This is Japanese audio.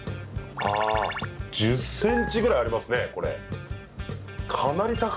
ああ、１０ｃｍくらいありますねこれ。